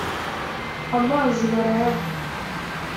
amazi barayanywa